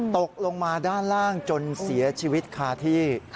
ตกลงมาด้านล่างจนเสียชีวิตคาที่